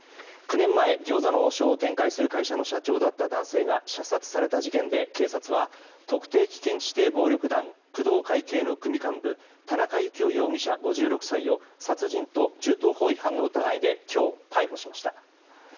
９年前、餃子の王将を展開する会社の社長だった男性が射殺された事件で、警察は特定危険指定暴力団工藤会系の組幹部田中幸雄容疑者、５６歳を殺人と銃刀法違反の疑いで今日、逮捕しました。